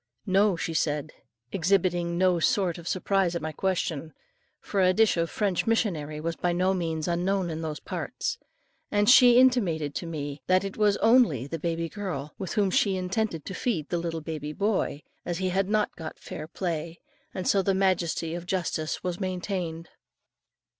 "No," she said; exhibiting no sort of surprise at my question, for a dish of French missionary was by no means unknown in those parts. And she intimated to me, that it was only the baby girl, with whom she intended to feed the little baby boy, as he had not got fair play; and so the majesty of justice was maintained.